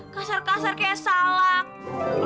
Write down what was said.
kasar kasar kayak salak